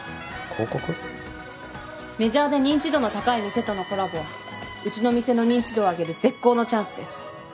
メジャーで認知度の高い店とのコラボはうちの店の認知度を上げる絶好のチャンスです。